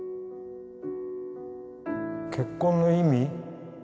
結婚の意味？